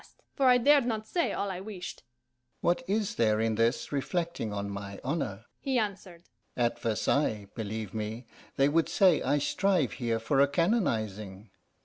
I asked; for I dared not say all I wished. "What is there in this reflecting on my honour?" he answered. "At Versailles, believe me, they would say I strive here for a canonizing.